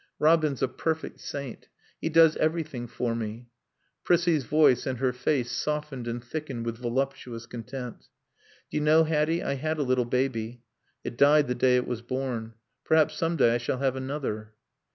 Robin's a perfect saint. He does everything for me." Prissie's voice and her face softened and thickened with voluptuous content. "... Do you know, Hatty, I had a little baby. It died the day it was born.... Perhaps some day I shall have another."